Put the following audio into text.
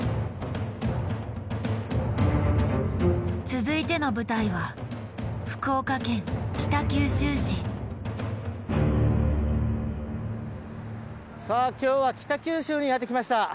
続いての舞台はさあ今日は北九州にやって来ました。